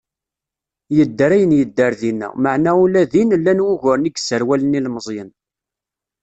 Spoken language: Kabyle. Yedder ayen yedder dinna, meɛna ula din, llan wuguren i yesserwalen ilmezyen.